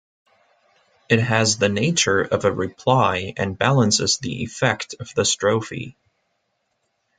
It has the nature of a reply and balances the effect of the strophe.